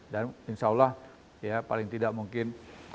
dan insya allah paling tidak mungkin